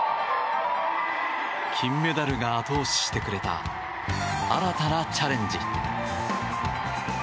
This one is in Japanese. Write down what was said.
金メダルが後押ししてくれた新たなチャレンジ。